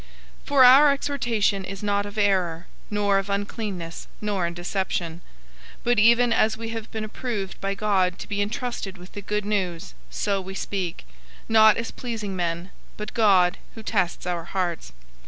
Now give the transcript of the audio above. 002:003 For our exhortation is not of error, nor of uncleanness, nor in deception. 002:004 But even as we have been approved by God to be entrusted with the Good News, so we speak; not as pleasing men, but God, who tests our hearts.